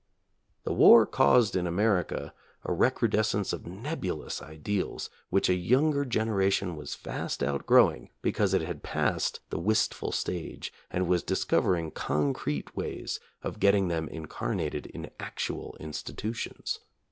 The war caused in America a recrudescence of nebulous ideals which a younger generation was fast outgrowing because it had passed the wistful stage and was discovering con crete ways of getting them incarnated in actual in stitutions.